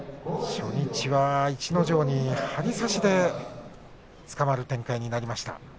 初日は逸ノ城に張り差しでつかまる展開になりました。